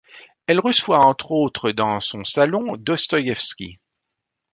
Elle reçoit entre autres dans son salon Dostoïevski.